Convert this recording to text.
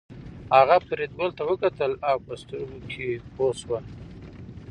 هغه فریدګل ته وکتل او په سترګو کې پوه شول